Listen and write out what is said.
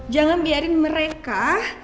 jangan biarin mereka